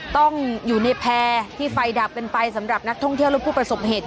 ต้องอยู่ในแพร่ที่ไฟดับกันไปสำหรับนักท่องเที่ยวและผู้ประสบเหตุ